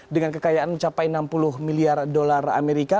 dengan kekayaan mencapai enam puluh miliar dolar amerika